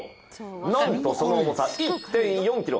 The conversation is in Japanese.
なんとその重さ１．４キロ。